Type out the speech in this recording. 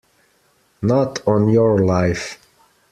Not on your life!